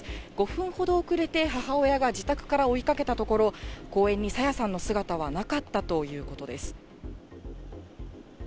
５分ほど遅れて、母親が自宅から追いかけたところ、公園に朝芽さんの姿はなかったということです。